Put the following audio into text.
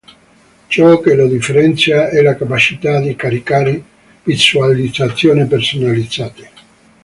Ciò che lo differenzia è la capacità di caricare visualizzazioni personalizzate.